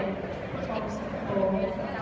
มันเป็นสิ่งที่จะให้ทุกคนรู้สึกว่า